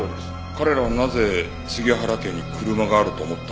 彼らはなぜ杉原家に車があると思ったんでしょうかね？